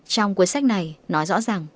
trong cuốn sách này nói rõ ràng